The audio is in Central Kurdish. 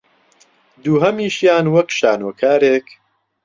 دووهەمیشیان وەک شانۆکارێک